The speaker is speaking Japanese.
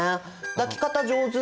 抱き方上手！